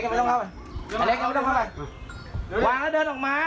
ไอ้เล็กยังไม่ต้องเข้าไปไอ้เล็กยังไม่ต้องเข้าไป